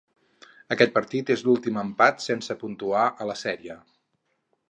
Aquest partit és l'últim empat sense puntuar a la sèrie.